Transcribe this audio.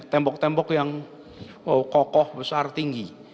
tembok tembok yang kokoh besar tinggi